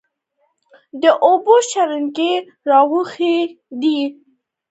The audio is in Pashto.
د اوبو شرنګي راویښ کړمه سپېدو کښي